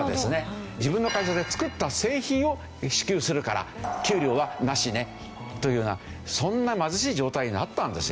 「自分の会社で作った製品を支給するから給料はなしね」というようなそんな貧しい状態にあったんですよ。